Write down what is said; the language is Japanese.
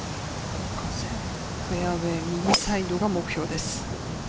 フェアウエー、右サイドが目標です。